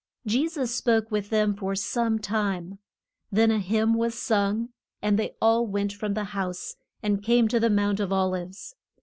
Je sus spoke with them for some time. Then a hymn was sung and they all went from the house, and came to the Mount of Ol ives.